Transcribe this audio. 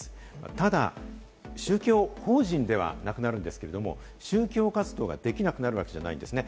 ただ、宗教法人ではなくなるんですけれども、宗教活動ができなくなるわけじゃないんですね。